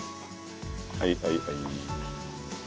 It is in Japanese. はいはいはい。